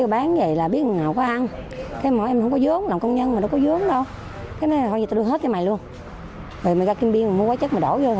bán là của một người khác